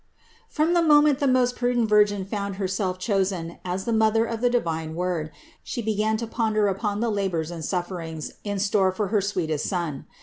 513. From the moment the most prudent Virgin found Herself chosen as the Mother of the divine Word, She be gan to ponder upon the labors and sufferings in store for her sweetest Son.